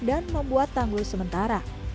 dan membuat tanggul sementara